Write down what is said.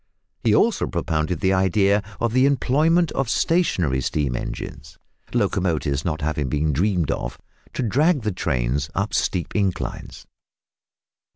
He also propounded the idea of the employment of stationary steam engines (locomotives not having been dreamed of) to drag the trains up steep inclines.